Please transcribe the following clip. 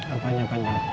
apa yang panjang